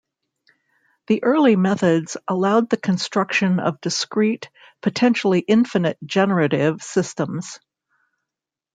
The early methods allowed the construction of discrete, potentially infinite generative systems.